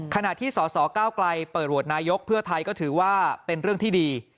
ขณะที่สสเก้าไกลเปิดโหวตนายกเพื่อไทยก็ถือว่าเป็นเรื่องที่ดี